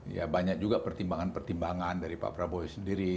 ya banyak juga pertimbangan pertimbangan dari pak prabowo sendiri